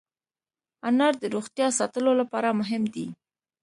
انار د روغتیا ساتلو لپاره مهم دی.